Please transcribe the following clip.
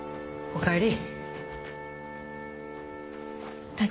お帰り。